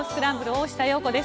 大下容子です。